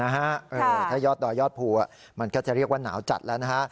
ถ้ายอดดอยยอดภูมันก็จะเรียกว่าหนาวจัดแล้วนะฮะ